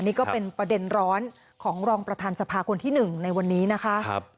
นี่ก็เป็นประเด็นร้อนของรองประธานสภาคนที่๑ในวันนี้นะคะ